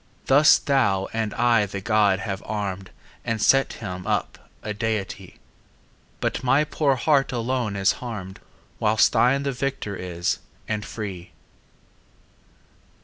Thus thou and I the god have arm'd And set him up a deity; But my poor heart alone is harm'd, 15 Whilst thine the victor is, and free!